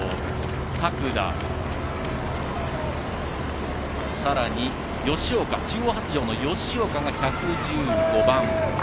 作田、さらに中央発條の吉岡が１１５番。